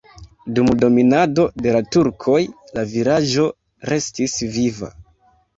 Dum dominado de la turkoj la vilaĝo restis viva.